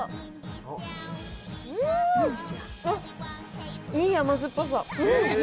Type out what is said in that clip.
うーん、あっ、いい甘酸っぱさ。